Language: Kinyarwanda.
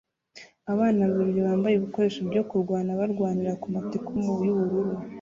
Abana babiri bambaye ibikoresho byo kurwana barwanira ku matiku y'ubururu